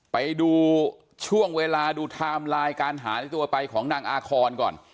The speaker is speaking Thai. ไปดูช่วงเวลาดูไทม์ไลน์การหายตัวไปของนางอาคอนก่อน